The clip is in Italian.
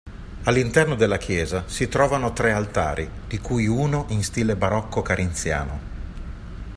All'interno della chiesa si trovano tre altari, di cui uno in stile barocco-carinziano.